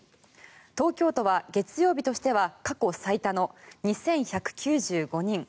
東京都は月曜日としては過去最多の２１９５人。